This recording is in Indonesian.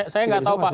saya nggak tahu pak